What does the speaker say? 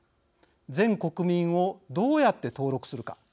全国民をどうやって登録するか。